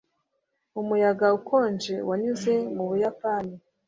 umuyaga ukonje wanyuze mu buyapani